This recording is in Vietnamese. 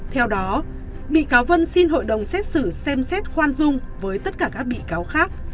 theo đó bị cáo vân xin hội đồng xét xử xem xét khoan dung với tất cả các bị cáo khác